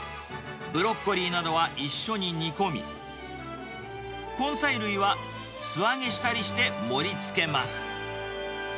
ブロッコリーなどは一緒に煮込み、根菜類は素揚げしたりして、盛りつけます。